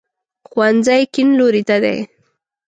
ښوونځی کیڼ لوري ته دی